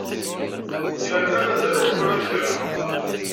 Yerna mazal ur twalaḍ kra!